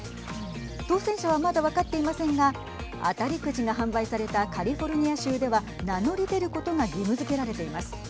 当選者はまだ分かっていませんが当たりくじが販売されたカリフォルニア州では名乗り出ることが義務づけられています。